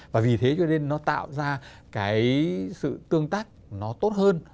và vì thế cho nên nó tạo ra cái sự tương tác nó tốt hơn